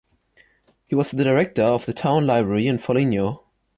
He was the director of the Town Library in Foligno.